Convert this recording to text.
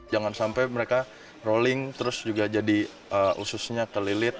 jangan sampai mereka rolling terus juga jadi ususnya kelilit